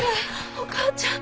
お母ちゃん